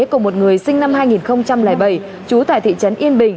của một người sinh năm hai nghìn bảy